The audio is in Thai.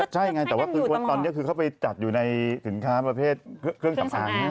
ใช่ไงแต่ว่าตอนเนี้ยเขาไปจัดอยู่ในขุนค้าประเภทเครื่องสำอาง